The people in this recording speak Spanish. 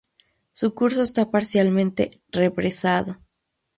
Su curso está parcialmente represado.